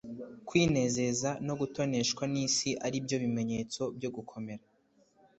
kwinezeza no gutoneshwa n'isi ari byo bimenyetso byo gukomera